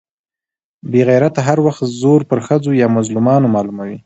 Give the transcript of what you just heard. بې غيرته هر وخت زور پر ښځو يا مظلومانو معلوموي.